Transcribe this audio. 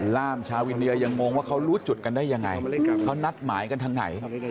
ล่ามชาวอินเดียยังงงว่าเขารู้จุดกันได้ยังไงเขานัดหมายกันทางไหน